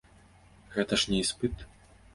Гэта ж не іспыт.